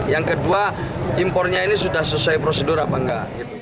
yang kedua impornya ini sudah sesuai prosedur apa enggak